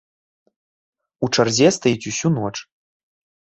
У чарзе стаіць усю ноч.